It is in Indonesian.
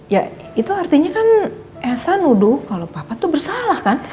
ya itu artinya kan elsa nuduh kalo papa tuh bersalah kan